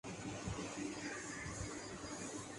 F B اور ترک tax authorities کے درمیان ایم او یو طے پاگیا